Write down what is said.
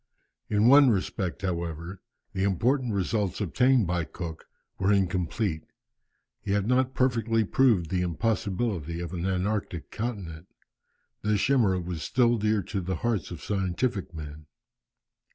In one respect, however, the important results obtained by Cook were incomplete. He had not perfectly proved the impossibility of an antarctic continent. This chimera was still dear to the hearts of scientific men.